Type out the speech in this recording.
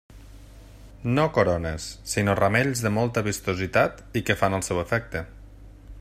No corones, sinó ramells de molta vistositat i que fan el seu efecte.